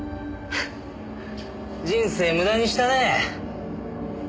ハッ人生無駄にしたねえ。